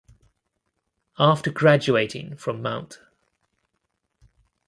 After graduating from Mt.